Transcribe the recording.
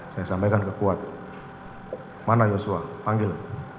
saya sampaikan ke kuat mana joshua panggil